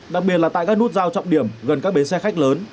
đặc biệt là tại các nút giao trọng điểm gần các bến xe khách lớn